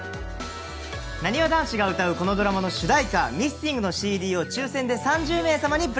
なにわ男子が歌うこのドラマの主題歌『Ｍｉｓｓｉｎｇ』のＣＤを抽選で３０名様にプレゼント！